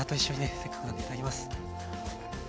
せっかくなんでいただきます。